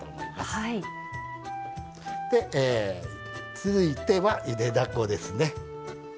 続いてはゆでだこですね。